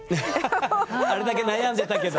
ハハハあれだけ悩んでたけど。